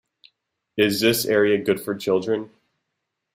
Is this area good for children?